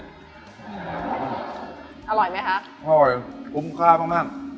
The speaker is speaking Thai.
อร่อยไหมคะอร่อยคุ้มค่ามากมาก